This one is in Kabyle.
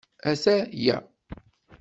Ata-ya.